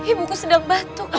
ibuku sedang bantuk